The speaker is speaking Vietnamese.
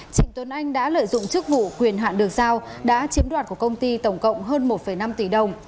trịnh tuấn anh đã lợi dụng chức vụ quyền hạn được giao đã chiếm đoạt của công ty tổng cộng hơn một năm tỷ đồng